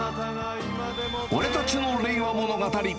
俺たちの令和物語。